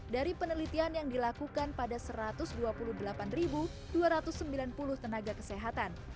dari penelitian yang dilakukan pada satu ratus dua puluh delapan dua ratus sembilan puluh tenaga kesehatan